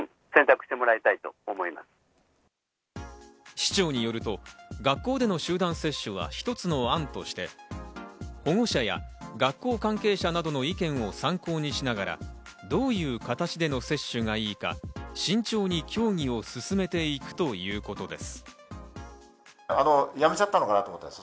市長によると、学校での集団接種は一つの案として、保護者や学校関係者などの意見を参考にしながら、どういう形での接種がいいか慎重に協議を進めていくということです。